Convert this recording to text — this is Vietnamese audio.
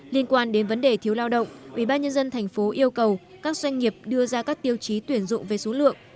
liên quan đến vấn đề thiếu lao động ubnd tp yêu cầu các doanh nghiệp đưa ra các tiêu chí tuyển dụng về số lượng